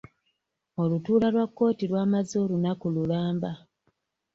Olutuula lwa kkooti lwamaze olunaku lulamba.